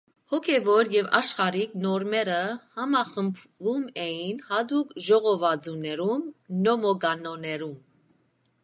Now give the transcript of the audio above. Հոգևոր և աշխարհիկ նորմերը համախմբվում էին հատուկ ժողովածուներում՝ նոմոկանոններում։